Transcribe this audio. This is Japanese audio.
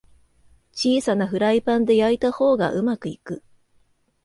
小さなフライパンで焼いた方がうまくいく